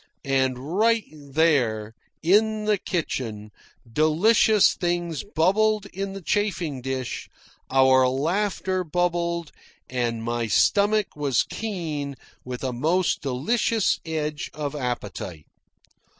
And right there, in the kitchen, delicious things bubbled in the chafing dish, our laughter bubbled, and my stomach was keen with a most delicious edge of appetite.